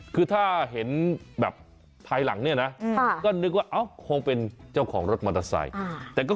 คือถ้าเห็นแบบภายหลังเนี่ยนะก็นึกว่าเอ้าคงเป็นเจ้าของรถมอเตอร์ไซค์